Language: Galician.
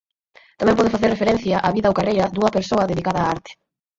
Tamén pode facer referencia á vida ou carreira dunha persoa dedicada á arte.